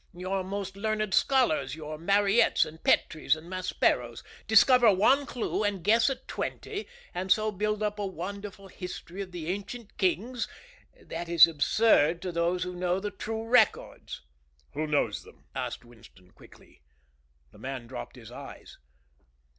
Your most learned scholars your Mariettes and Petries and Masperos discover one clue and guess at twenty, and so build up a wonderful history of the ancient kings that is absurd to those who know the true records." "Who knows them?" asked Winston, quickly. The man dropped his eyes.